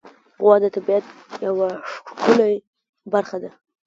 غوا د طبیعت یوه ښکلی برخه ده.